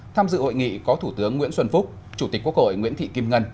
tham dự hội nghị có thủ tướng nguyễn xuân phúc chủ tịch quốc hội nguyễn thị kim ngân